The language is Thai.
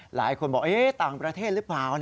หลายคนบอกต่างประเทศหรือเปล่า